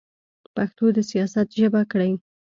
پښتو د سیاست ژبه کړئ.